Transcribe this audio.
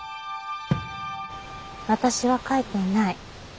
私は書いていない。